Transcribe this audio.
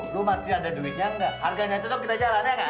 lu masih ada duitnya nggak harganya cocok kita jalan ya nggak